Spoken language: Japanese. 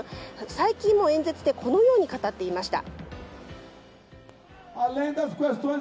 最近も演説でこのように語っていました。